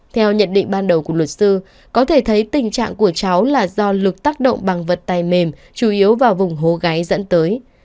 theo nhận định ban đầu của luật sư có thể thấy tình trạng của cháu là do lực tác động bằng vật tay mềm chủ yếu vào vùng hố gáy dẫn tới